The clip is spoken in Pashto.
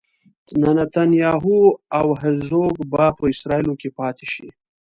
نتنیاهو او هرزوګ به په اسرائیلو کې پاتې شي.